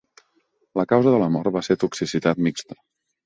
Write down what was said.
La causa de la mort va ser toxicitat mixta.